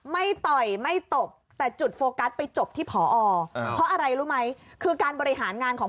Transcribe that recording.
ต่อยไม่ตบแต่จุดโฟกัสไปจบที่ผอเพราะอะไรรู้ไหมคือการบริหารงานของ